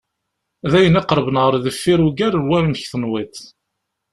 D ayen iqerben ɣer deffir ugar n wamek tenwiḍ.